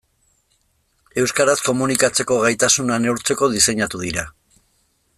Euskaraz komunikatzeko gaitasuna neurtzeko diseinatu dira.